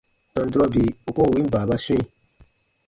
Tɔn durɔ bii u koo win baababa swĩ.